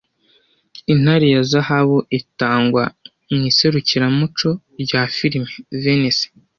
Intare ya zahabu itangwa mu iserukiramuco rya firime Venice